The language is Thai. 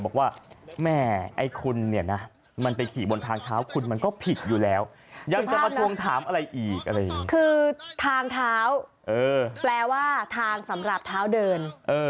คือทางเท้าแปลว่าทางสำหรับเท้าเดิน